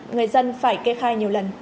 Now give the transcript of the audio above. người dân phải kê khai nhiều lần